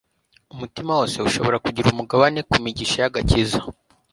Umutima wose ushobora kugira umugabane ku migisha y'agakiza.